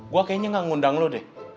gue kayaknya nggak ngundang lo deh